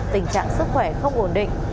tình trạng sức khỏe không ổn định